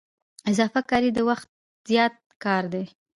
اضافه کاري د وخت زیات کار دی